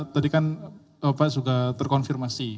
tadi kan pak sudah terkonfirmasi